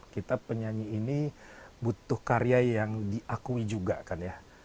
kita penyanyi ini butuh karya yang diakui juga kan ya